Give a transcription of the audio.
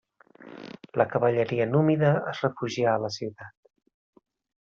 La cavalleria númida es refugià a la ciutat.